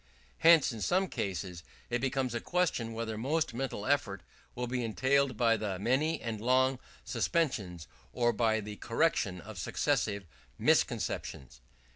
Hence in some cases it becomes a question whether most mental effort will be entailed by the many and long suspensions, or by the correction of successive misconceptions.